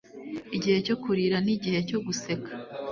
Igihe cyo kurira nigihe cyo guseka